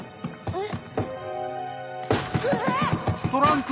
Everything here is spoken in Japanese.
えっ？